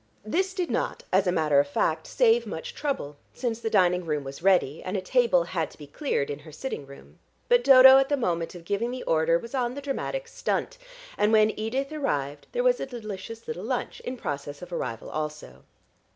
This did not, as a matter of fact, save much trouble, since the dining room was ready, and a table had to be cleared in her sitting room, but Dodo at the moment of giving the order was on the dramatic "stunt," and when Edith arrived there was a delicious little lunch in process of arrival also.